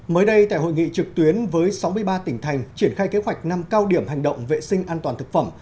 mới đây tại hội nghị trực tuyến với sáu mươi ba tỉnh thành triển khai kế hoạch năm cao điểm hành động vệ sinh an toàn thực phẩm